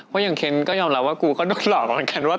ว่าอย่างเค้นก็ยอมรับว่ากูก็ลอกเหมือนแบบนี้